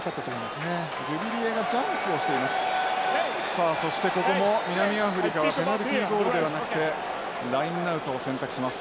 さあそしてここも南アフリカはペナルティーゴールではなくてラインアウトを選択します。